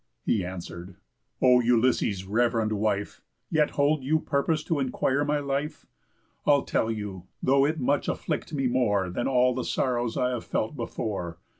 He answer'd: "O Ulysses' rev'rend wife! Yet hold you purpose to inquire my life? I'll tell you, though it much afflict me more Than all the sorrows I have felt before.